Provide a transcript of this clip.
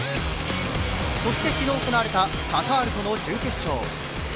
そして昨日行われたカタールとの準決勝。